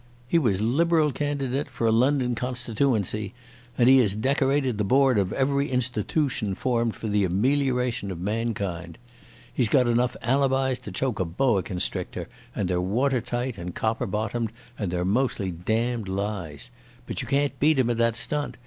He was Liberal candidate for a London constitooency and he has decorated the board of every institootion formed for the amelioration of mankind. He's got enough alibis to choke a boa constrictor, and they're water tight and copper bottomed, and they're mostly damned lies.... But you can't beat him at that stunt.